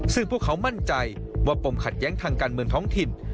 ซึ่งพวกเขามั่นใจว่าปมขัดแย้งทางการเมืองท้องถิ่น